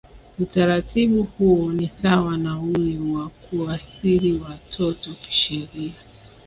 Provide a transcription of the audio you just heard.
Utaratibu huo ni sawa na ule wa kuasili watoto kisheria